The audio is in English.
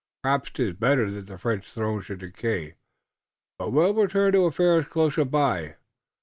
Perhaps 'tis better that the French throne should decay. But we'll return to affairs closer by.